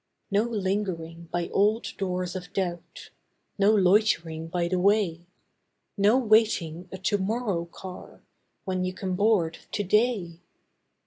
No lingering by old doors of doubt— No loitering by the way, No waiting a To morrow car, When you can board To day.